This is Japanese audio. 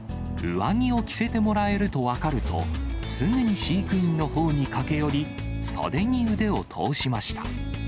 上着を着せてもらえると分かると、すぐに飼育員のほうに駆け寄り、袖に腕を通しました。